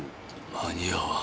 間に合わん。